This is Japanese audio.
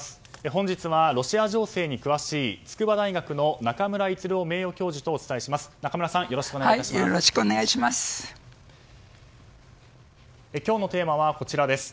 本日はロシア情勢に詳しい筑波大学の中村逸郎名誉教授とお伝えします。